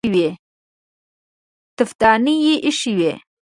تفدانۍ ايښې وې.